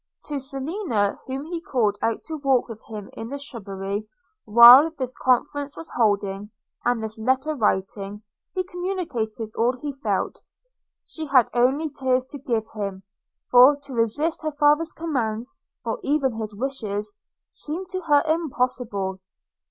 – To Selina, whom he called out to walk with him in the shrubbery, while this conference was holding, and this letter writing, he communicated all he felt. She had only tears to give him; for, to resist her father's commands, or even his wishes, seemed to her impossible.